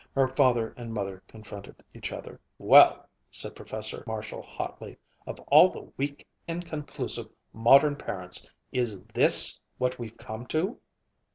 Her father and mother confronted each other. "Well!" said Professor Marshall hotly, "of all the weak, inconclusive, modern parents is this what we've come to?"